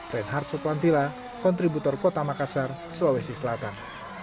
ben hartsopwantila kontributor kota makassar sulawesi selatan